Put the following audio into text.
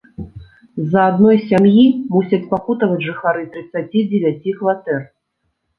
З-за адной сям'і мусяць пакутаваць жыхары трыццаці дзевяці кватэр.